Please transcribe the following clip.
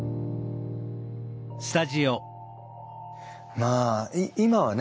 まあ今はね